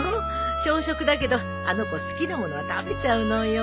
小食だけどあの子好きなものは食べちゃうのよ。